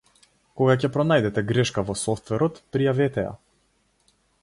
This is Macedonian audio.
Кога ќе пронајдете грешка во софтверот, пријавете ја.